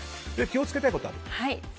気を付けたいことがあると。